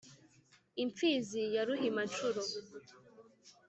imfizi ya ruhima-nshuro